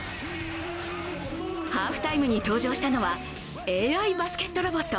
ハーフタイムに登場したのはＡＩバスケットロボット